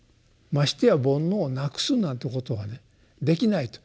ましてや煩悩をなくすなんてことはねできないと。